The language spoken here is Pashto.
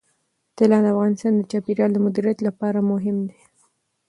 طلا د افغانستان د چاپیریال د مدیریت لپاره مهم دي.